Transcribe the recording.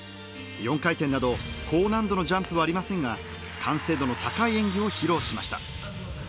４回転など高難度のジャンプはありませんが完成度の高い演技を披露しました。